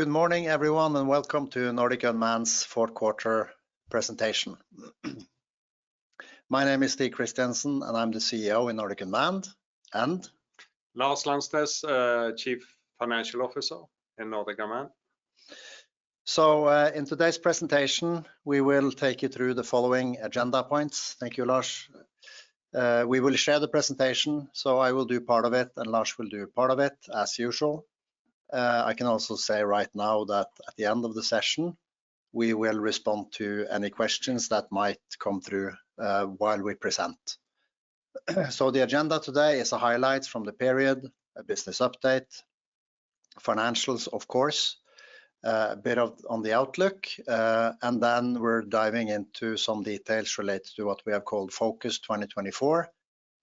Good morning, everyone, and welcome to Nordic Unmanned's fourth quarter presentation. My name is Stig Christiansen, and I'm the CEO in Nordic Unmanned, and? Lars Landsnes, Chief Financial Officer in Nordic Unmanned. So, in today's presentation, we will take you through the following agenda points. Thank you, Lars. We will share the presentation, so I will do part of it, and Lars will do part of it, as usual. I can also say right now that at the end of the session, we will respond to any questions that might come through, while we present. So the agenda today is the highlights from the period, a business update, financials, of course, a bit of on the outlook, and then we're diving into some details related to what we have called Focus 2024,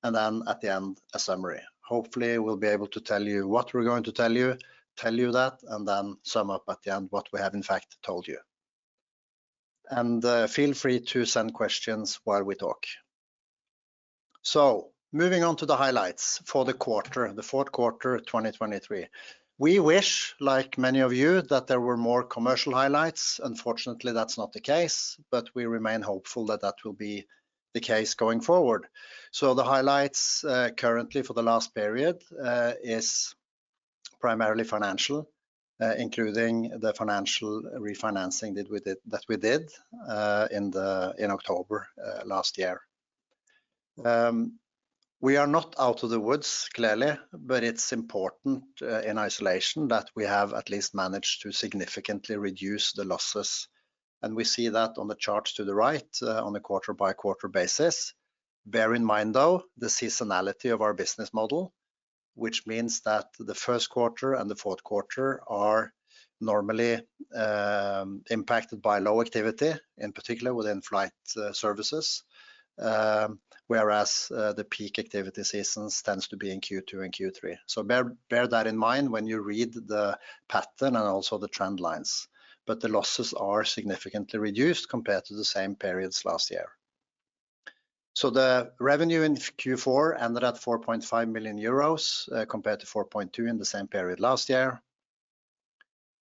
and then at the end, a summary. Hopefully, we'll be able to tell you what we're going to tell you, tell you that, and then sum up at the end what we have in fact told you. Feel free to send questions while we talk. Moving on to the highlights for the quarter, the fourth quarter, 2023. We wish, like many of you, that there were more commercial highlights. Unfortunately, that's not the case, but we remain hopeful that that will be the case going forward. The highlights currently for the last period is primarily financial, including the financial refinancing that we did in October last year. We are not out of the woods, clearly, but it's important in isolation that we have at least managed to significantly reduce the losses, and we see that on the charts to the right on a quarter-by-quarter basis. Bear in mind, though, the seasonality of our business model, which means that the first quarter and the fourth quarter are normally impacted by low activity, in particular within flight services. Whereas, the peak activity seasons tends to be in Q2 and Q3. So bear, bear that in mind when you read the pattern and also the trend lines. But the losses are significantly reduced compared to the same periods last year. So the revenue in Q4 ended at 4.5 million euros, compared to 4.2 million in the same period last year.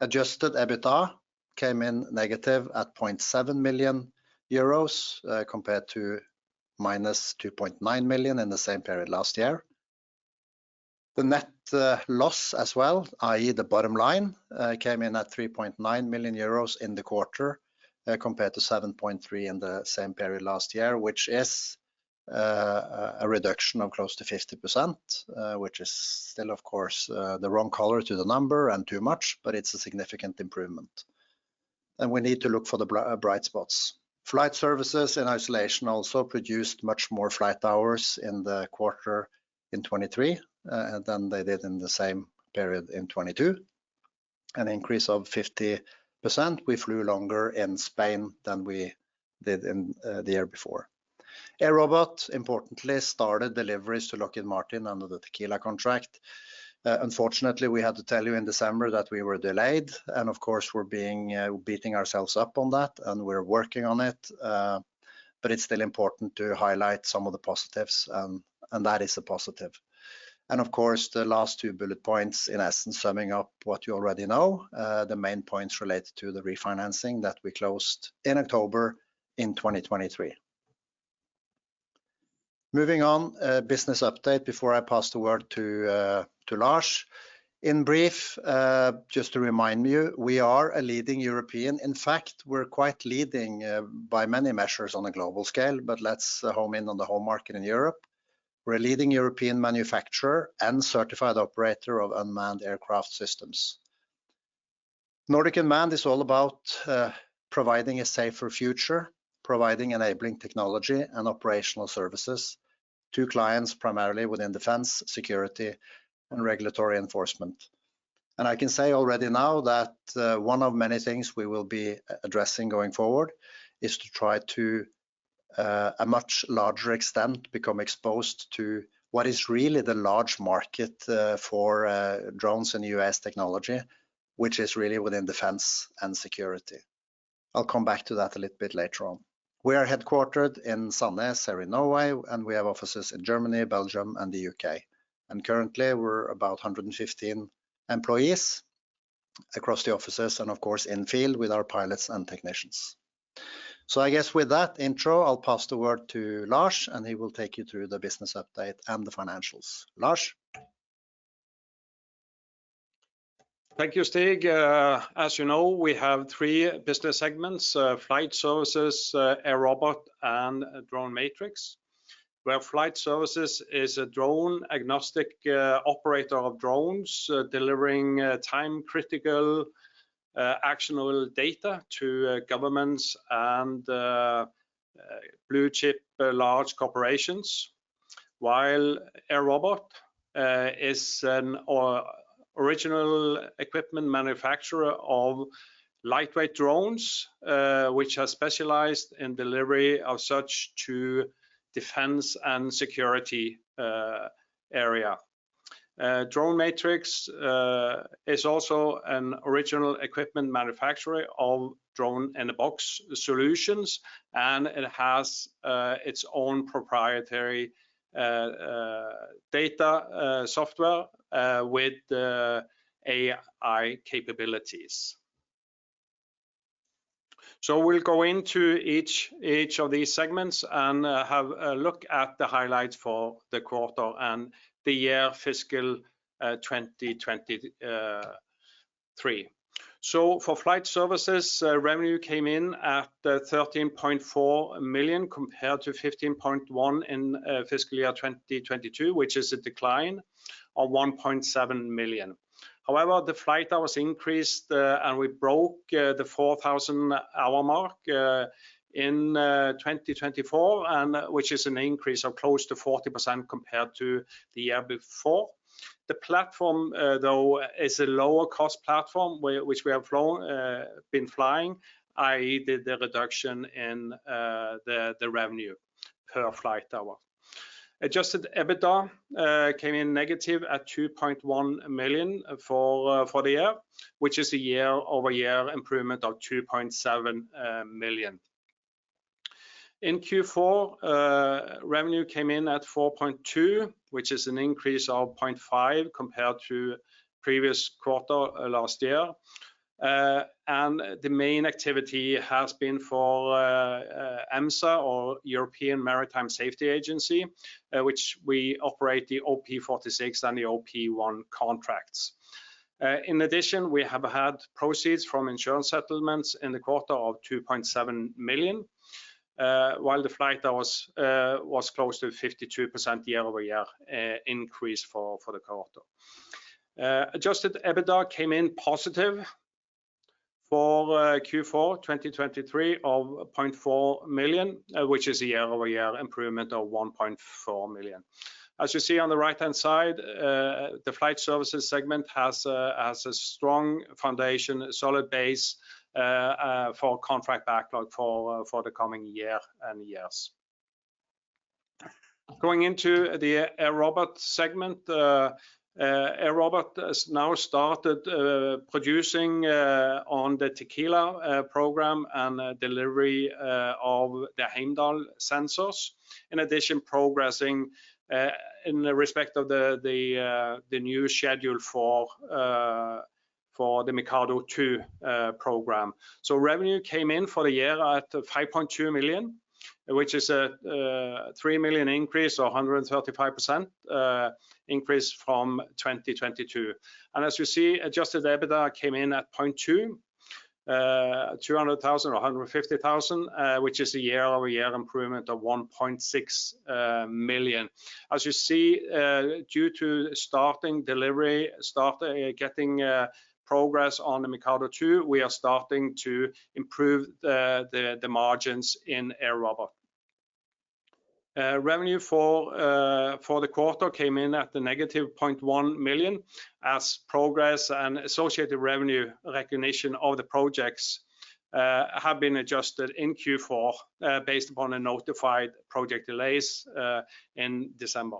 Adjusted EBITDA came in negative at 0.7 million euros, compared to minus 2.9 million in the same period last year. The net loss as well, i.e., the bottom line, came in at 3.9 million euros in the quarter, compared to 7.3 million in the same period last year, which is a reduction of close to 50%, which is still, of course, the wrong color to the number and too much, but it's a significant improvement. We need to look for the bright spots. Flight services in isolation also produced much more flight hours in the quarter in 2023 than they did in the same period in 2022, an increase of 50%. We flew longer in Spain than we did in the year before. AirRobot, importantly, started deliveries to Lockheed Martin under the TIQUILA contract. Unfortunately, we had to tell you in December that we were delayed, and of course, we're being. We're beating ourselves up on that, and we're working on it. But it's still important to highlight some of the positives, and that is a positive. And of course, the last two bullet points, in essence, summing up what you already know, the main points related to the refinancing that we closed in October in 2023. Moving on, business update before I pass the word to Lars. In brief, just to remind you, we are a leading European. In fact, we're quite leading, by many measures on a global scale, but let's home in on the home market in Europe. We're a leading European manufacturer and certified operator of unmanned aircraft systems. Nordic Unmanned is all about, providing a safer future, providing enabling technology and operational services to clients, primarily within defense, security, and regulatory enforcement. I can say already now that one of many things we will be addressing going forward is to try to a much larger extent become exposed to what is really the large market for drones and UAS technology, which is really within defense and security. I'll come back to that a little bit later on. We are headquartered in Sandnes here in Norway, and we have offices in Germany, Belgium, and the U.K. And currently, we're about 115 employees across the offices and, of course, in field with our pilots and technicians. So I guess with that intro, I'll pass the word to Lars, and he will take you through the business update and the financials. Lars? Thank you, Stig. As you know, we have three business segments, Flight Services, AirRobot, and DroneMatrix, where Flight Services is a drone-agnostic operator of drones, delivering time-critical actionable data to governments and blue chip large corporations. While AirRobot is an original equipment manufacturer of lightweight drones, which are specialized in delivery of such to defense and security area. DroneMatrix is also an original equipment manufacturer of Drone-in-a-Box solutions, and it has its own proprietary data software with AI capabilities. So we'll go into each of these segments and have a look at the highlights for the quarter and the year fiscal 2023. For flight services, revenue came in at 13.4 million, compared to 15.1 million in fiscal year 2022, which is a decline of 1.7 million. However, the flight hours increased, and we broke the 4,000 hour mark in 2024, which is an increase of close to 40% compared to the year before. The platform, though, is a lower-cost platform which we have been flying, i.e., the reduction in the revenue per flight hour. Adjusted EBITDA came in negative at 2.1 million for the year, which is a year-over-year improvement of 2.7 million. In Q4, revenue came in at 4.2 million, which is an increase of 0.5 million compared to previous quarter last year. And the main activity has been for EMSA or European Maritime Safety Agency, which we operate the OP46 and the OP1 contracts. In addition, we have had proceeds from insurance settlements in the quarter of 2.7 million, while the flight hours was close to 52% year-over-year increase for the quarter. Adjusted EBITDA came in positive for Q4 2023 of 0.4 million, which is a year-over-year improvement of 1.4 million. As you see on the right-hand side, the flight services segment has a strong foundation, solid base, for contract backlog for the coming year and years. Going into the AirRobot segment, AirRobot has now started producing on the TIQUILA program and delivery of the Heimdall sensors. In addition, progressing in the respect of the new schedule for the MIKADO II program. So revenue came in for the year at 5.2 million, which is a 3 million increase, or 135% increase from 2022. And as you see, adjusted EBITDA came in at 0.2, 200,000 or 150,000, which is a year-over-year improvement of 1.6 million. As you see, due to starting delivery, starting getting progress on the MIKADO II, we are starting to improve the margins in AirRobot. Revenue for the quarter came in at -0.1 million, as progress and associated revenue recognition of the projects have been adjusted in Q4, based upon the notified project delays in December.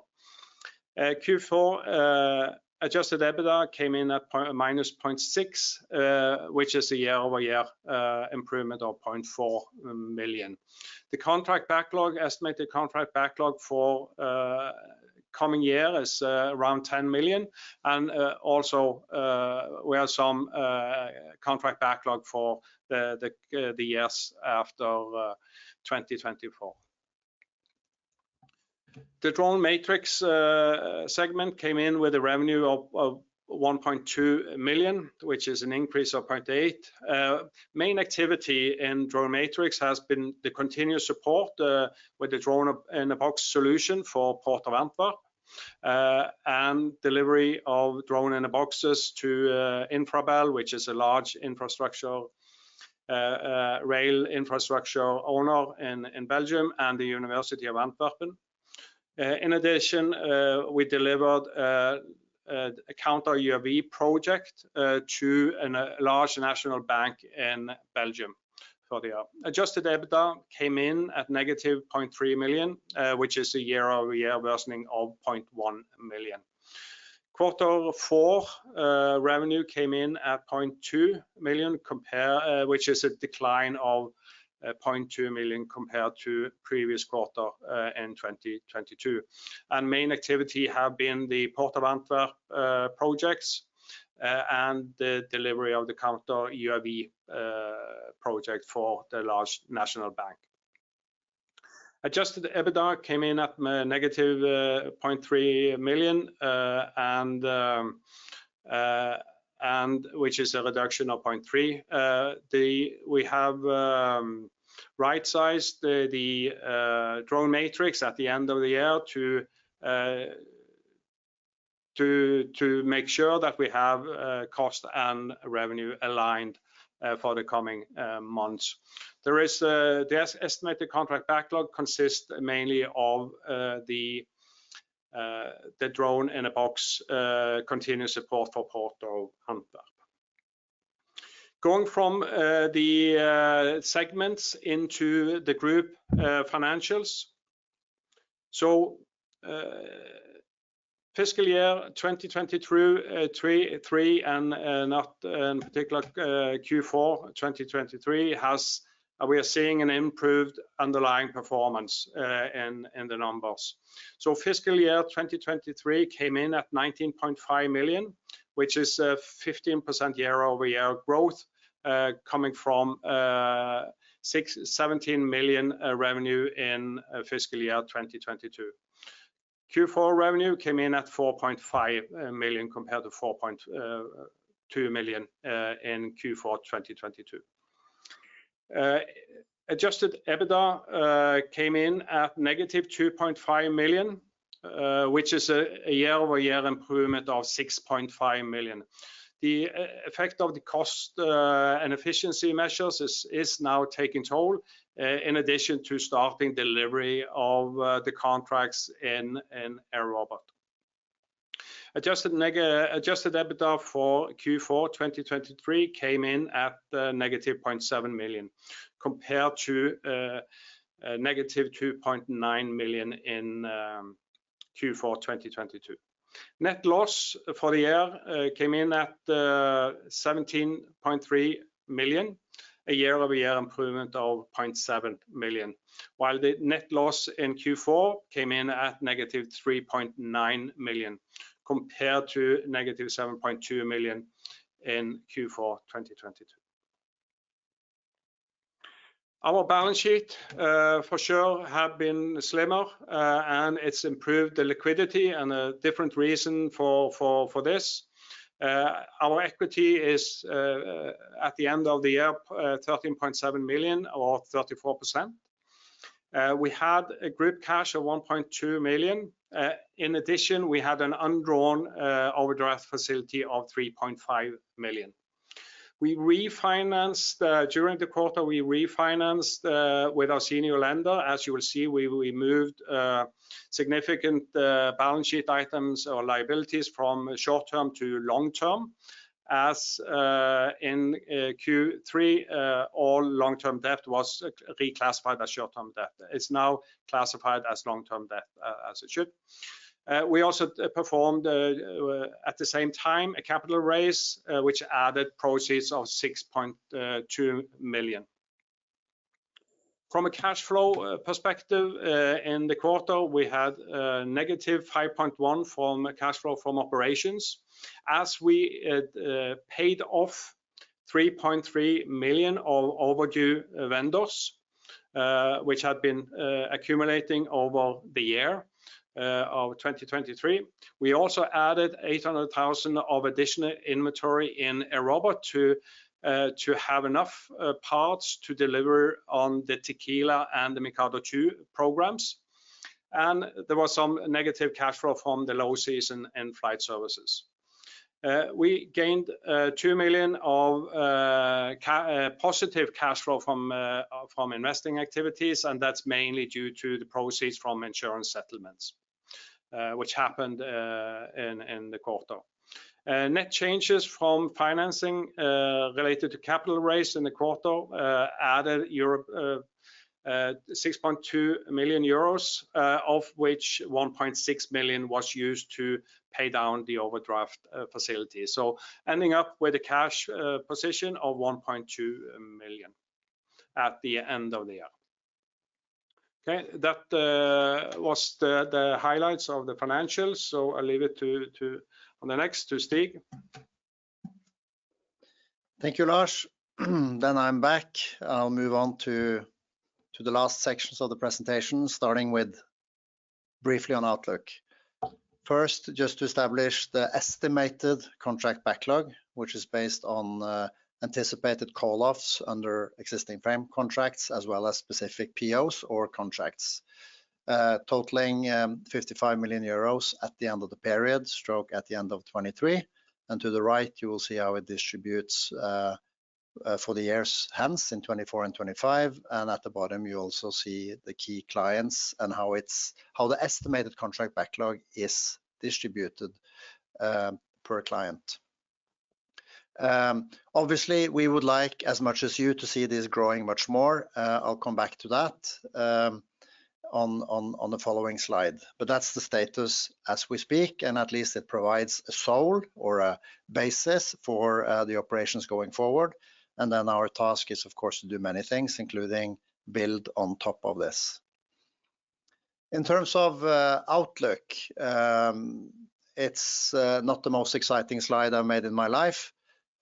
Q4 Adjusted EBITDA came in at -0.6 million, which is a year-over-year improvement of 0.4 million. The contract backlog, estimated contract backlog for the coming year is around 10 million, and also we have some contract backlog for the the years after 2024. The DroneMatrix segment came in with a revenue of 1.2 million, which is an increase of 0.8 million. Main activity in DroneMatrix has been the continuous support with the Drone-in-a-Box solution for Port of Antwerp, and delivery of Drone-in-a-Boxes to Infrabel, which is a large infrastructural rail infrastructure owner in Belgium, and the University of Antwerp. In addition, we delivered a counter-UAV project to a large national bank in Belgium for the year. Adjusted EBITDA came in at -0.3 million, which is a year-over-year worsening of 0.1 million. Quarter four revenue came in at 0.2 million, which is a decline of 0.2 million compared to previous quarter in 2022. Main activity have been the Port of Antwerp projects, and the delivery of the counter UAV project for the large national bank. Adjusted EBITDA came in at negative 0.3 million, and which is a reduction of 0.3. We have right-sized the DroneMatrix at the end of the year to make sure that we have cost and revenue aligned for the coming months. The estimated contract backlog consists mainly of the drone-in-a-box continuous support for Port of Antwerp. Going from the segments into the group financials. Fiscal year 2022-2023, and in particular Q4 2023 has we are seeing an improved underlying performance in the numbers. So fiscal year 2023 came in at 19.5 million, which is a 15% year-over-year growth, coming from 17 million revenue in fiscal year 2022. Q4 revenue came in at 4.5 million, compared to 4.2 million in Q4 2022. Adjusted EBITDA came in at negative 2.5 million, which is a year-over-year improvement of 6.5 million. The effect of the cost and efficiency measures is now taking hold, in addition to starting delivery of the contracts in AirRobot. Adjusted EBITDA for Q4 2023 came in at negative 0.7 million, compared to negative 2.9 million in Q4 2022. Net loss for the year came in at 17.3 million, a year-over-year improvement of 0.7 million, while the net loss in Q4 came in at -3.9 million, compared to -7.2 million in Q4 2022. Our balance sheet, for sure, have been slimmer, and it's improved the liquidity and a different reason for this. Our equity is at the end of the year 13.7 million, or 34%. We had a group cash of 1.2 million. In addition, we had an undrawn overdraft facility of 3.5 million. We refinanced during the quarter with our senior lender. As you will see, we moved significant balance sheet items or liabilities from short-term to long-term, as in Q3, all long-term debt was reclassified as short-term debt. It's now classified as long-term debt, as it should. We also performed at the same time a capital raise, which added proceeds of 6.2 million. From a cash flow perspective, in the quarter, we had negative 8.1 from cash flow from operations. As we paid off 3.3 million of overdue vendors, which had been accumulating over the year of 2023. We also added 800,000 of additional inventory in AirRobot to have enough parts to deliver on the TIQUILA and the MIKADO II programs, and there was some negative cash flow from the low season and flight services. We gained 2 million of positive cash flow from investing activities, and that's mainly due to the proceeds from insurance settlements, which happened in the quarter. Net changes from financing related to capital raise in the quarter added 6.2 million euros, of which 1.6 million was used to pay down the overdraft facility. So ending up with a cash position of 1.2 million at the end of the year. Okay, that was the highlights of the financials, so I'll leave it to on the next to Stig. Thank you, Lars. Then I'm back. I'll move on to the last sections of the presentation, starting with briefly on outlook. First, just to establish the estimated contract backlog, which is based on anticipated call-offs under existing frame contracts, as well as specific POs or contracts, totaling 55 million euros at the end of the period / at the end of 2023. To the right, you will see how it distributes for the years hence in 2024 and 2025, and at the bottom, you also see the key clients and how the estimated contract backlog is distributed per client. Obviously, we would like as much as you to see this growing much more. I'll come back to that on the following slide. But that's the status as we speak, and at least it provides a solid or a basis for the operations going forward. Then our task is, of course, to do many things, including build on top of this. In terms of outlook, it's not the most exciting slide I've made in my life.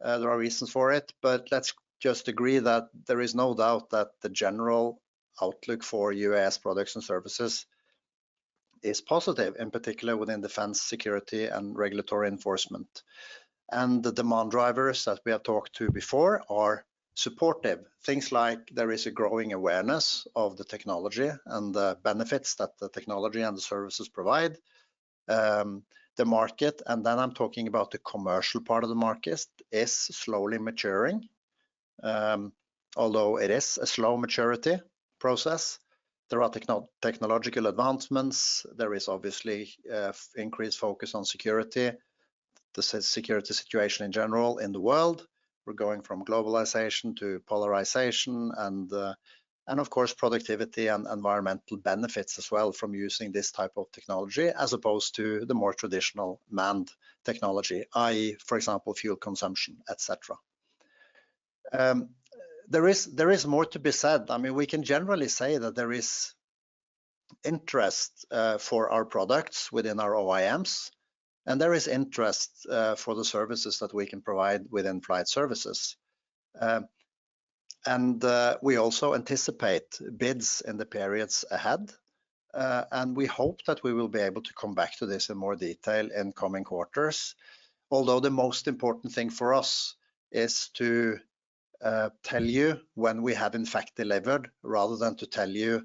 There are reasons for it, but let's just agree that there is no doubt that the general outlook for UAS products and services is positive, in particular within defense, security, and regulatory enforcement. The demand drivers that we have talked to before are supportive. Things like there is a growing awareness of the technology and the benefits that the technology and the services provide. The market, and then I'm talking about the commercial part of the market, is slowly maturing, although it is a slow maturity process. There are technological advancements. There is obviously increased focus on security, the security situation in general in the world. We're going from globalization to polarization, and, and of course, productivity and environmental benefits as well from using this type of technology, as opposed to the more traditional manned technology, i.e., for example, fuel consumption, etcetera. There is, there is more to be said. I mean, we can generally say that there is interest for our products within our OEMs, and there is interest for the services that we can provide within flight services. And, we also anticipate bids in the periods ahead, and we hope that we will be able to come back to this in more detail in coming quarters. Although, the most important thing for us is to tell you when we have, in fact, delivered, rather than to tell you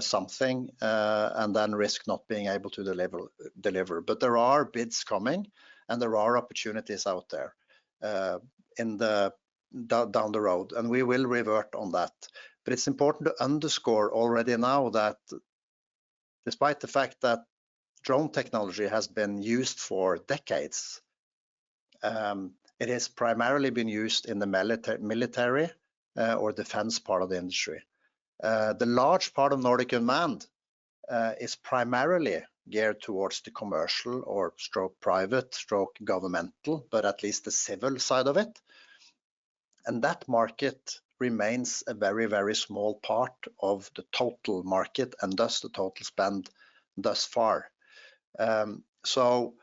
something, and then risk not being able to deliver. But there are bids coming, and there are opportunities out there down the road, and we will revert on that. But it's important to underscore already now that despite the fact that drone technology has been used for decades, it has primarily been used in the military or defense part of the industry. The large part of Nordic Unmanned is primarily geared towards the commercial or stroke private, stroke governmental, but at least the civil side of it, and that market remains a very, very small part of the total market, and thus, the total spend thus far. So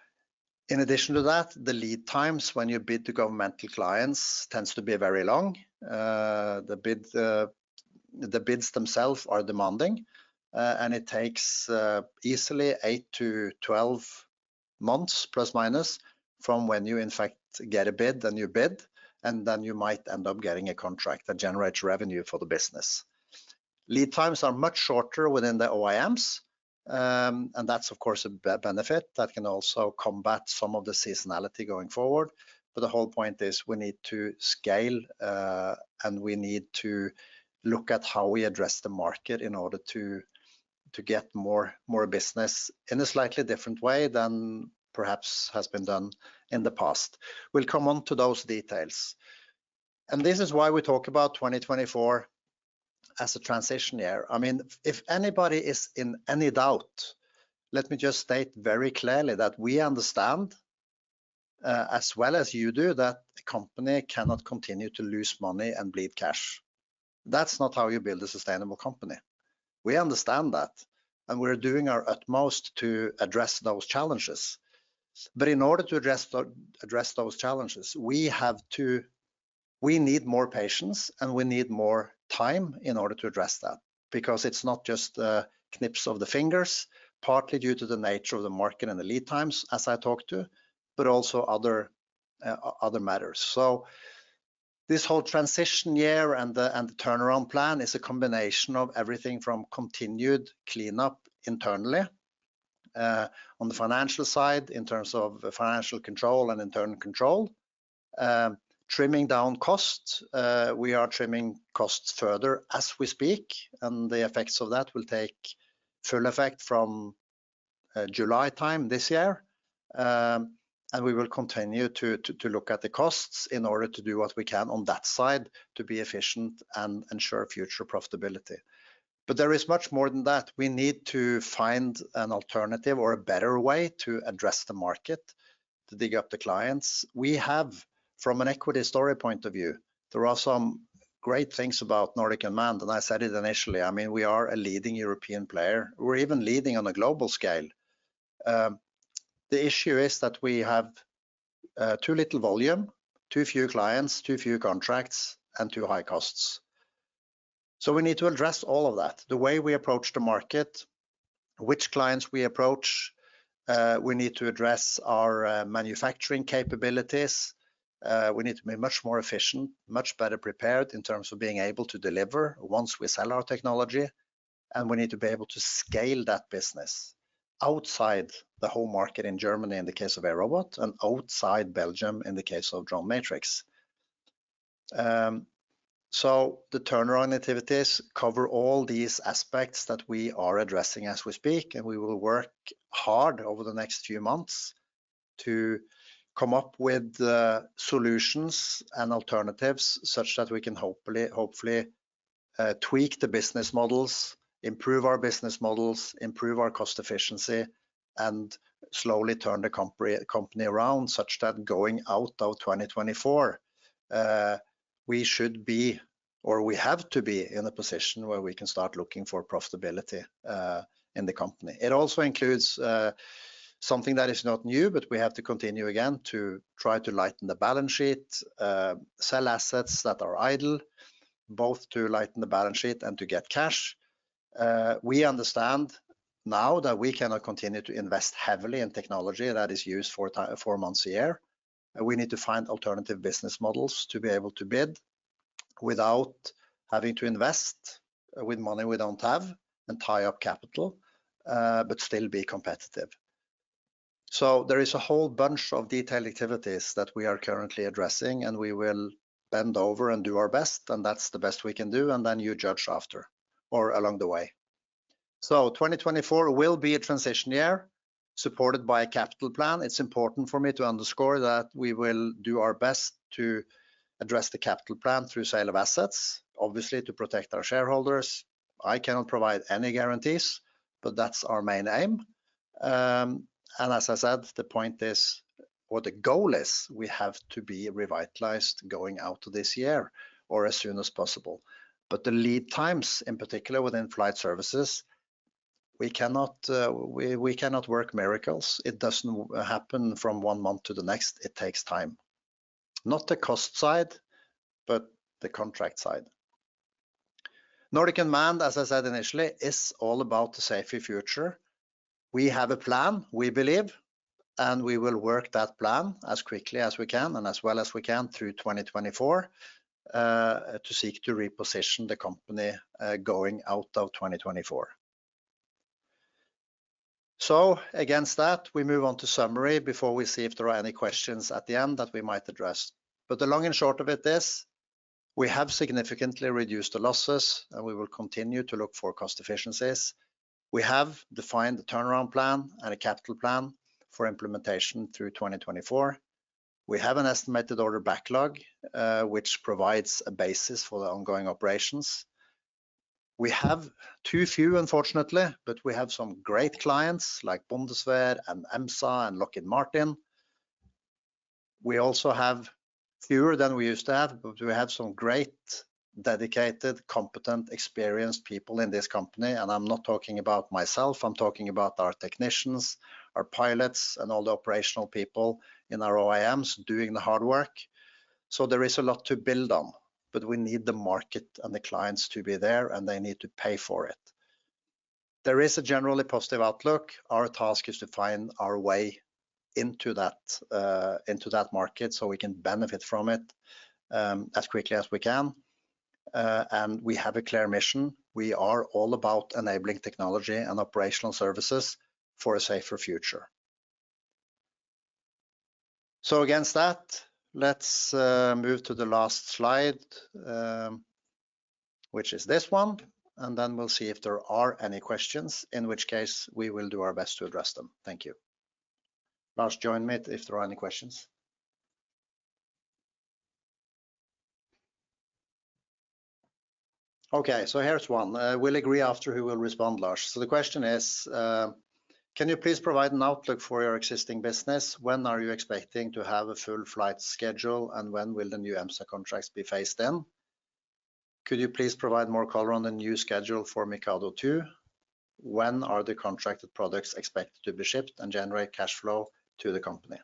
in addition to that, the lead times when you bid to governmental clients tends to be very long. The bids themselves are demanding, and it takes easily eight to 12 months, plus or minus, from when you, in fact, get a bid, then you bid, and then you might end up getting a contract that generates revenue for the business. Lead times are much shorter within the OEMs, and that's, of course, a benefit that can also combat some of the seasonality going forward. But the whole point is we need to scale, and we need to look at how we address the market in order to get more business in a slightly different way than perhaps has been done in the past. We'll come on to those details, and this is why we talk about 2024 as a transition year. I mean, if anybody is in any doubt, let me just state very clearly that we understand as well as you do that the company cannot continue to lose money and bleed cash. That's not how you build a sustainable company. We understand that, and we're doing our utmost to address those challenges. But in order to address those challenges, we have to... We need more patience, and we need more time in order to address that, because it's not just a snap of the fingers, partly due to the nature of the market and the lead times, as I talked to, but also other matters. So this whole transition year and the turnaround plan is a combination of everything from continued cleanup internally, on the financial side, in terms of financial control and internal control, trimming down costs. We are trimming costs further as we speak, and the effects of that will take full effect from July time this year. And we will continue to look at the costs in order to do what we can on that side to be efficient and ensure future profitability. But there is much more than that. We need to find an alternative or a better way to address the market, to dig up the clients. We have, from an equity story point of view, there are some great things about Nordic Unmanned, and I said it initially, I mean, we are a leading European player. We're even leading on a global scale. The issue is that we have too little volume, too few clients, too few contracts, and too high costs. So we need to address all of that. The way we approach the market, which clients we approach, we need to address our manufacturing capabilities, we need to be much more efficient, much better prepared in terms of being able to deliver once we sell our technology, and we need to be able to scale that business outside the home market in Germany, in the case of AirRobot, and outside Belgium, in the case of DroneMatrix. So the turnaround activities cover all these aspects that we are addressing as we speak, and we will work hard over the next few months to come up with solutions and alternatives such that we can hopefully tweak the business models, improve our business models, improve our cost efficiency, and slowly turn the company around, such that going out of 2024, we should be or we have to be in a position where we can start looking for profitability in the company. It also includes something that is not new, but we have to continue again to try to lighten the balance sheet, sell assets that are idle, both to lighten the balance sheet and to get cash. We understand now that we cannot continue to invest heavily in technology that is used for four months a year, and we need to find alternative business models to be able to bid without having to invest with money we don't have and tie up capital, but still be competitive. So there is a whole bunch of detailed activities that we are currently addressing, and we will bend over and do our best, and that's the best we can do, and then you judge after or along the way. So 2024 will be a transition year, supported by a capital plan. It's important for me to underscore that we will do our best to address the capital plan through sale of assets, obviously, to protect our shareholders. I cannot provide any guarantees, but that's our main aim. And as I said, the point is, or the goal is, we have to be revitalized going out to this year or as soon as possible. But the lead times, in particular within flight services, we cannot, we cannot work miracles. It doesn't happen from one month to the next. It takes time. Not the cost side, but the contract side. Nordic Unmanned, as I said initially, is all about the safer future. We have a plan, we believe, and we will work that plan as quickly as we can and as well as we can through 2024, to seek to reposition the company, going out of 2024. So against that, we move on to summary before we see if there are any questions at the end that we might address. But the long and short of it is, we have significantly reduced the losses, and we will continue to look for cost efficiencies. We have defined the turnaround plan and a capital plan for implementation through 2024. We have an estimated order backlog, which provides a basis for the ongoing operations. We have too few, unfortunately, but we have some great clients, like Bundeswehr and EMSA and Lockheed Martin. We also have fewer than we used to have, but we have some great, dedicated, competent, experienced people in this company, and I'm not talking about myself, I'm talking about our technicians, our pilots, and all the operational people in our OEMs doing the hard work. So there is a lot to build on, but we need the market and the clients to be there, and they need to pay for it. There is a generally positive outlook. Our task is to find our way into that, into that market so we can benefit from it, as quickly as we can. We have a clear mission. We are all about enabling technology and operational services for a safer future. So against that, let's move to the last slide, which is this one, and then we'll see if there are any questions, in which case we will do our best to address them. Thank you. Lars, join me if there are any questions. Okay, so here's one. We'll agree after who will respond, Lars. So the question is, "Can you please provide an outlook for your existing business? When are you expecting to have a full flight schedule, and when will the new EMSA contracts be phased in? Could you please provide more color on the new schedule for Mikado II? When are the contracted products expected to be shipped and generate cash flow to the company?"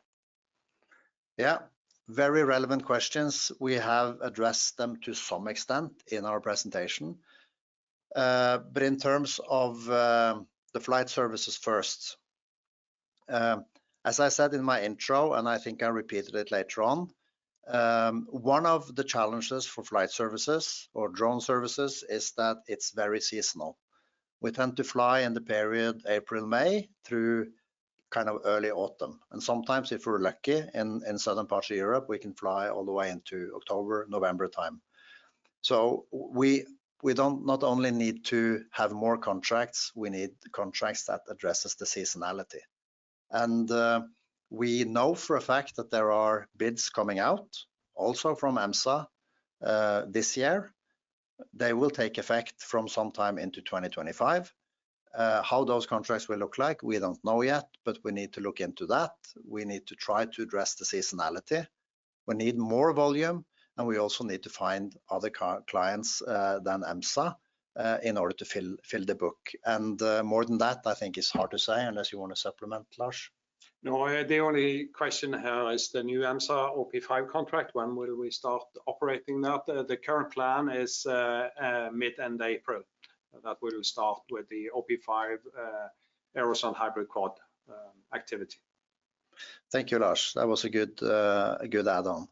Yeah, very relevant questions. We have addressed them to some extent in our presentation. But in terms of the flight services first, as I said in my intro, and I think I repeated it later on, one of the challenges for flight services or drone services is that it's very seasonal. We tend to fly in the period April, May, through kind of early autumn, and sometimes, if we're lucky, in southern parts of Europe, we can fly all the way into October, November time. So we don't not only need to have more contracts, we need contracts that addresses the seasonality. And we know for a fact that there are bids coming out also from EMSA this year. They will take effect from sometime into 2025. How those contracts will look like, we don't know yet, but we need to look into that. We need to try to address the seasonality. We need more volume, and we also need to find other clients than EMSA in order to fill the book. And more than that, I think it's hard to say, unless you want to supplement, Lars. No, the only question here is the new EMSA OP5 contract, when will we start operating that? The current plan is, mid/end April, that we will start with the OP5, Aerosonde Hybrid Quad, activity. Thank you, Lars. That was a good, a good add-on.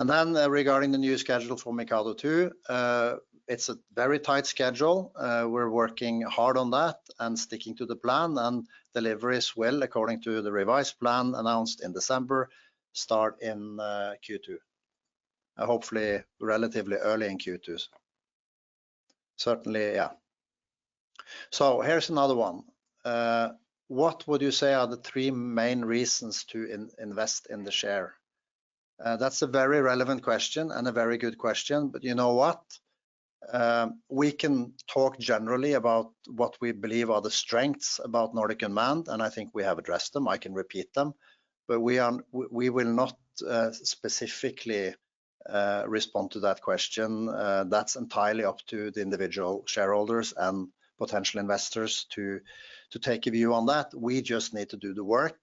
And then, regarding the new schedule for MIKADO II, it's a very tight schedule. We're working hard on that and sticking to the plan, and deliveries will, according to the revised plan announced in December, start in Q2. Hopefully, relatively early in Q2. Certainly, yeah. So here's another one: "What would you say are the three main reasons to invest in the share?" That's a very relevant question and a very good question, but you know what? We can talk generally about what we believe are the strengths about Nordic Unmanned, and I think we have addressed them. I can repeat them, but we are... We will not specifically respond to that question. That's entirely up to the individual shareholders and potential investors to take a view on that. We just need to do the work,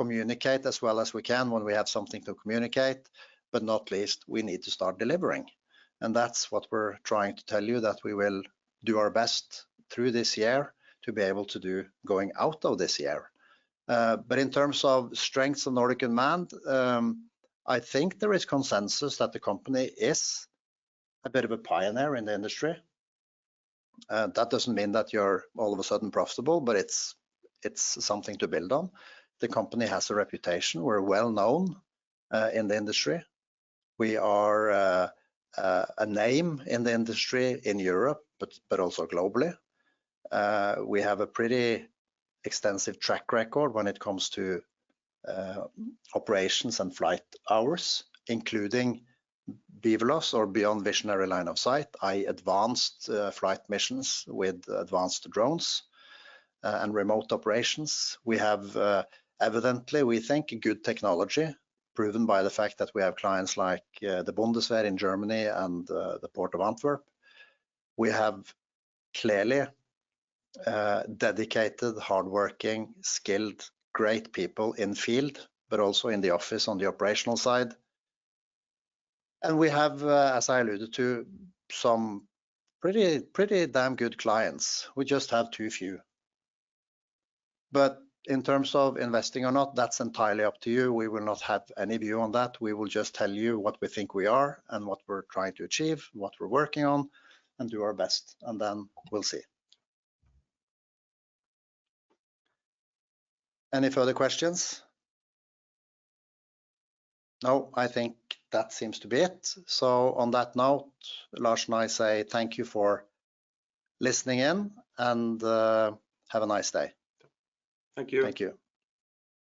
communicate as well as we can when we have something to communicate, but not least, we need to start delivering. And that's what we're trying to tell you, that we will do our best through this year to be able to do going out of this year. But in terms of strengths of Nordic Unmanned, I think there is consensus that the company is a bit of a pioneer in the industry. That doesn't mean that you're all of a sudden profitable, but it's something to build on. The company has a reputation. We're well-known in the industry. We are a name in the industry in Europe, but also globally. We have a pretty extensive track record when it comes to operations and flight hours, including BVLOS, or Beyond Visual Line of Sight, i.e. advanced flight missions with advanced drones and remote operations. We have evidently, we think, a good technology, proven by the fact that we have clients like the Bundeswehr in Germany and the Port of Antwerp. We have clearly dedicated, hardworking, skilled, great people in field, but also in the office on the operational side. And we have, as I alluded to, some pretty, pretty damn good clients. We just have too few. But in terms of investing or not, that's entirely up to you. We will not have any view on that. We will just tell you what we think we are and what we're trying to achieve, what we're working on, and do our best, and then we'll see. Any further questions? No, I think that seems to be it. So on that note, Lars and I say thank you for listening in, and have a nice day. Thank you. Thank you.